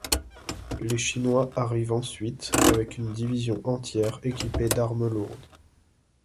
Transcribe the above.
Les Chinois arrivent ensuite avec une division entière équipée d’armes lourdes.